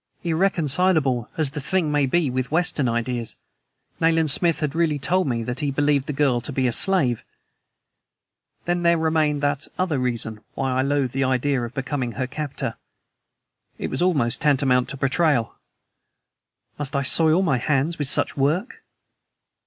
Irreconcilable as the thing may be with Western ideas, Nayland Smith had really told me that he believed the girl to be a slave. Then there remained that other reason why I loathed the idea of becoming her captor. It was almost tantamount to betrayal! Must I soil my hands with such work?